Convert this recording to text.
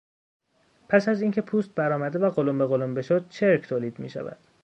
پس از اینکه پوست برآمده و قلنبه قلنبه شد چرک تولید میشود.